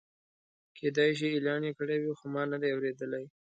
کېدای شي اعلان یې کړی وي خو ما نه دی اورېدلی.